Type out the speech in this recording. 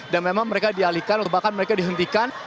dan memang mereka dialihkan atau bahkan mereka dihentikan